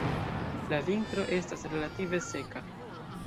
La vintro estas relative seka.